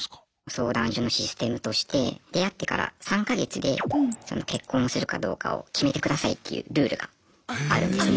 相談所のシステムとして出会ってから３か月で結婚するかどうかを決めてくださいっていうルールがあるんですね。